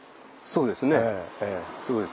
そうですね。